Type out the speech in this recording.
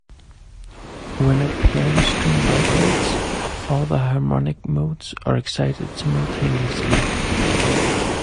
When a piano string vibrates, all the harmonic modes are excited simultaneously.